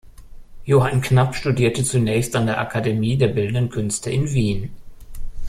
Johann Knapp studierte zunächst an der Akademie der bildenden Künste in Wien.